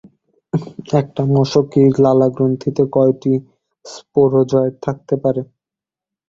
একটি মশকীর লালাগ্রন্থিতে কয়টি স্পোরোজয়েট থাকতে পারে?